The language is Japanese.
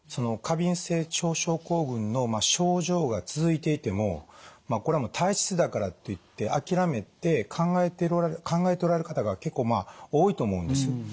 過敏性腸症候群の症状が続いていてもこれはもう体質だからといって諦めて考えておられる方が結構まあ多いと思うんです。